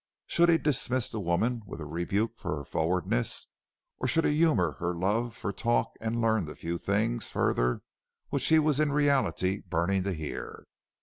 Should he dismiss the woman with a rebuke for her forwardness, or should he humor her love for talk and learn the few things further which he was in reality burning to hear.